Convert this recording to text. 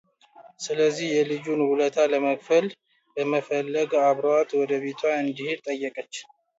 ስለዚህ የልጁን ውለታ ለመክፈል በመፈለግ አብሯት ወደቤቷ እንዲሄድ ጠየቀችው፡፡